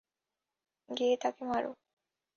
গিয়ে তাকে মারো।